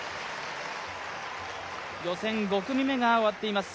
予選５組目が終わっています